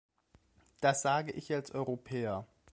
Das sage ich als Europäer.